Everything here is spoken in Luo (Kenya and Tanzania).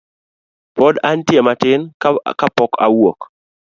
Pod antie matin kapok awuok.